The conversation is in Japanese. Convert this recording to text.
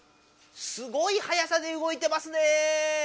すごいはやさでうごいてますね！